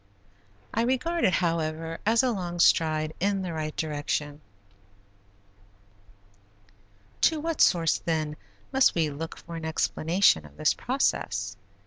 I regard it, however as a long stride in the right direction. To what source, then, must we look for an explanation of this process?